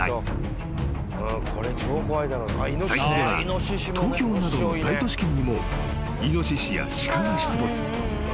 ［最近では東京などの大都市圏にもイノシシや鹿が出没］